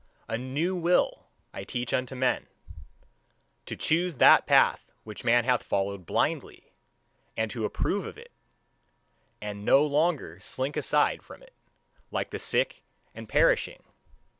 A new will teach I unto men: to choose that path which man hath followed blindly, and to approve of it and no longer to slink aside from it, like the sick and perishing!